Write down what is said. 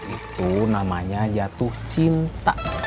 itu namanya jatuh cinta